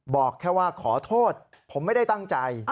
บอกแค่ว่าขอโทษผมไม่ได้ตั้งใจ